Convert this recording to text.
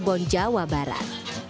di jawa barat